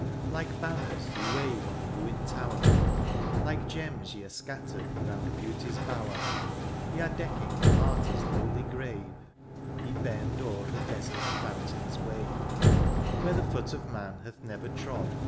Like banners ye wave on the ruined tower ; Like gems ye are scattered round beauty^s bower ; Ye are decking the martyr's lowly grave ; Ye bend o'er the desert fountain's wave ; Where the foot of man hath never trod.